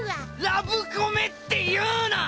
ラブコメって言うな！